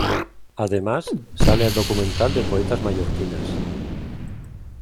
Además, sale al documental de poetas mallorquinas.